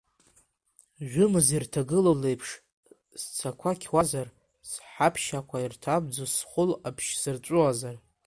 Жәымз ирҭагылоу леиԥш, сцақәа қьуазар, сҳаԥшьақәа ирҭамӡо схәыл-ҟаԥшь сырҵәуазар…